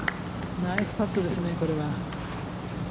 ナイスパットですね、これは。